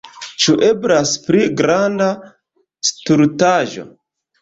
Ĉu eblas pli granda stultaĵo?